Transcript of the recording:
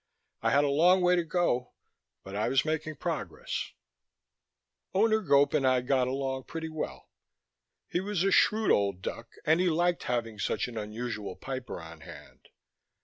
I had a long way to go, but I was making progress. Owner Gope and I got along well. He was a shrewd old duck and he liked having such an unusual piper on hand.